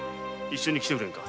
一緒に来てくれんか。